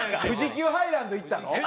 富士急ハイランド行ったの？